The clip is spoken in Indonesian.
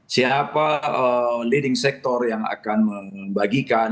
siapa leading sector yang akan membagikan